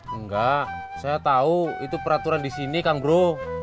enggak saya tahu itu peraturan di sini kang gro